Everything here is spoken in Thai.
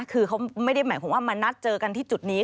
คือเขาไม่ได้หมายความว่ามานัดเจอกันที่จุดนี้